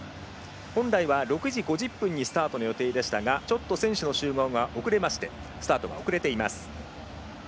本来は６時５０分にスタートの予定でしたが選手の集合が遅れましてスタートが遅れています。